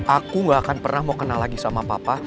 aku gak akan pernah mau kenal lagi sama papa